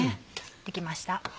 できました。